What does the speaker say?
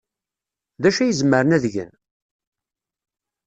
D acu ay zemren ad gen?